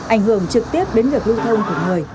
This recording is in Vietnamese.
ảnh hưởng trực tiếp đến việc lưu thông của người